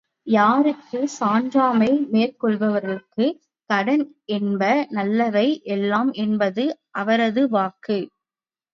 யாருக்கு? சான்றாண்மை மேற்கொள்பவர்க்குக் கடன் என்ப நல்லவை எல்லாம் என்பது அவரது வாக்கு.